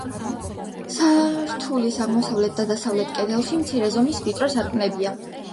სართულის აღმოსავლეთ და დასავლეთ კედლებში მცირე ზომის, ვიწრო სარკმლებია.